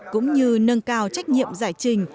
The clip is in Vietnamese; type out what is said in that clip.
cũng như nâng cao trách nhiệm giải trình